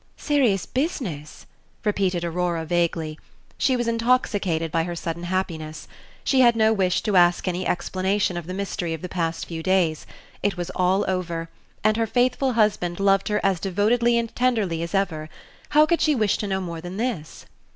"Serious business!" repeated Aurora, vaguely. She was intoxicated by her sudden happiness. She had no wish to ask any explanation of the mystery of the past few days. It was all over, and her faithful husband loved her as devotedly and tenderly as ever. How could she wish to know more than this?